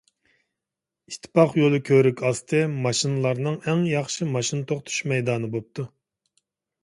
ئىتتىپاق يولى كۆۋرۈك ئاستى ماشىنىلارنىڭ ئەڭ ياخشى ماشىنا توختىتىش مەيدانى بوپتۇ.